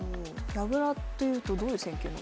矢倉というとどういう戦型なんですか？